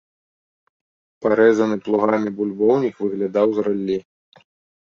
Парэзаны плугамі бульбоўнік выглядаў з раллі.